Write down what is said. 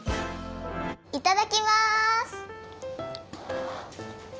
いただきます！